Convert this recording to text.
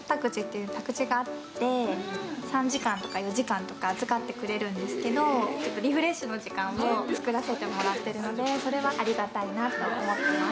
３時間とか４時間とか預かってくれるんですけどリフレッシュの時間を作らせてもらっているので、それはありがたいと思っています。